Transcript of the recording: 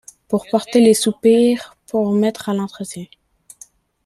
Pour porter les soupirs, pour mettre à l'entretien